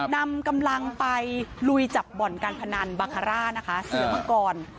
นำกำลังไปลุยจับบ่อนการพนันบาคาร่านะคะเสือมังกร